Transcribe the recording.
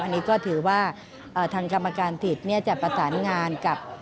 อันนี้ก็ถือว่าทางกรรมการผิดจะประสานงานกับ